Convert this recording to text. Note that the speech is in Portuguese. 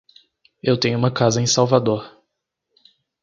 Eu tenho uma casa em Salvador.